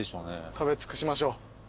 食べ尽くしましょう。